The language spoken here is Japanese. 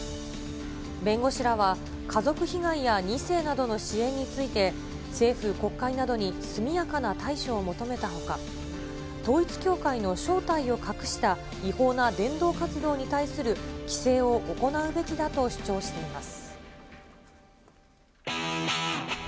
弁護士らは、家族被害や２世などの支援について、政府、国会などに速やかな対処を求めたほか、統一教会の正体を隠した違法な伝道活動に対する規制を行うべきだと主張しています。